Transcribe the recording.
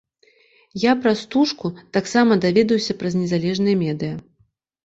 Я пра стужку таксама даведаўся праз незалежныя медыя.